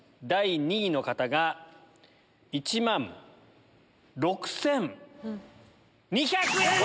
第２位の方が１万６千２００円！